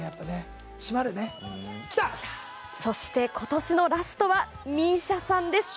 そして、今年のラストはＭＩＳＩＡさん。